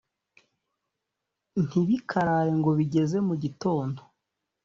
ntibikarare ngo bigeze mu gitondo